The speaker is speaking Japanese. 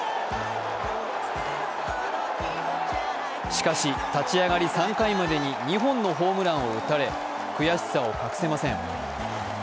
しかし、立ち上がり３回までに２本のホームランを打たれ悔しさを隠せません。